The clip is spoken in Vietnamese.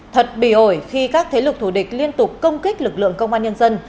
thật bì ổi khi các thế lực thủ địch liên tục công kích lực lượng công an nhân dân